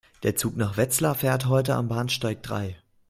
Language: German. Der Zug nach Wetzlar fährt heute am Bahnsteig drei